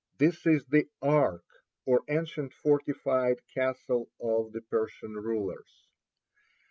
This is the "Ark," or ancient fortified castle of the Persian rulers.